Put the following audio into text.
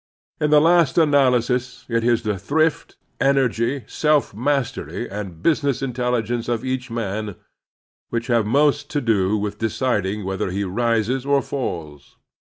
In the last analysis it is the thrift, energy, self mastery, and business intelligence of each man which have most to do with deciding 142 The Strenuous Life whether he rises or falls.